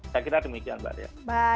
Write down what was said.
saya kira demikian mbak dea